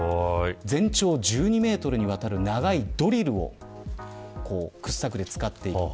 全長１２メートルの長いドリルを掘削で使っていく。